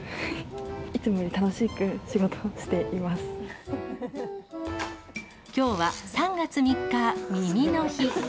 いつもより楽しく仕事をしていまきょうは３月３日、耳の日。